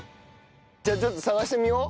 じゃあちょっと探してみよう。